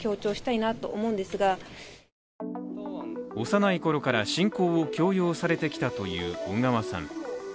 幼いころから信仰を強要されてきたという小川さん。